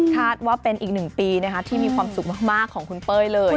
ว่าเป็นอีกหนึ่งปีที่มีความสุขมากของคุณเป้ยเลย